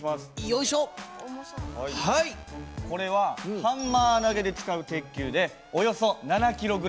これはハンマー投げで使う鉄球でおよそ７ｋｇあります。